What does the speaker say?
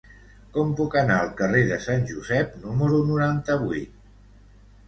Com puc anar al carrer de Sant Josep número noranta-vuit?